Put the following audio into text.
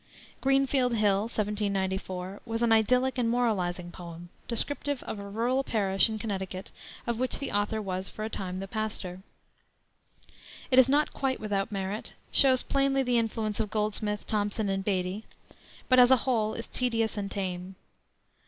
Greenfield Hill, 1794, was an idyllic and moralizing poem, descriptive of a rural parish in Connecticut of which the author was for a time the pastor. It is not quite without merit; shows plainly the influence of Goldsmith, Thomson, and Beattie, but as a whole is tedious and tame.